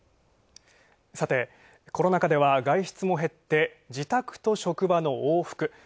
コロナ禍では外出も減って自宅と職場の往復。